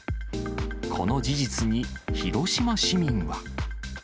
この事実に広島市民は。